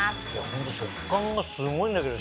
ホント食感がすごいんだけど！